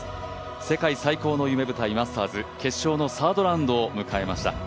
世界最高の夢舞台マスターズ決勝のサードラウンドを迎えました。